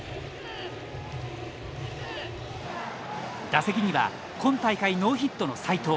打席には今大会ノーヒットの斎藤。